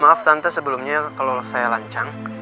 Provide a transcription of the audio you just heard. maaf tante sebelumnya kalau saya lancang